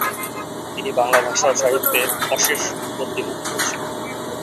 তিনি বাংলা ভাষা ও সাহিত্যে অশেষ ব্যুৎপত্তি লাভ করেছিলেন।